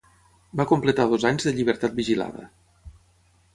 Va completar dos anys de llibertat vigilada.